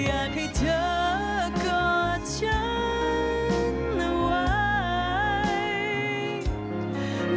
อยากให้เธอกอดฉันเอาไว้